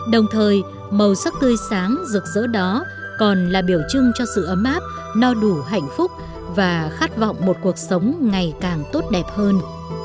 đồng thời màu sắc tươi sáng rực rỡ đó còn là biểu trưng cho sự ấm áp no đủ hạnh phúc và khát vọng một cuộc sống ngày càng tốt đẹp hơn